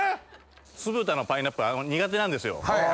酢豚のパイナップル苦手なんですよ。